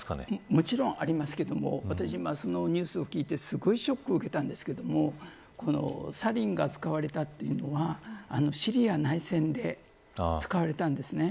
もちろんありますけど私はそのニュースを聞いてすごくショックを受けたのですがサリンが使われたというのはシリア内戦で使われたんですね。